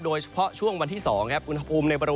โดยเฉพาะช่วงวันที่๒นะครับ